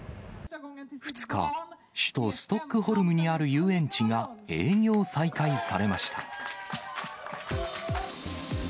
２日、首都ストックホルムにある遊園地が営業再開されました。